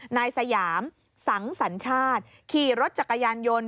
นายสยามสังสัญชาติขี่รถจักรยานยนต์